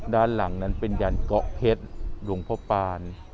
ด้านหลังนั้นเป็นยันเกาะเพชรหลวงพ่อปาน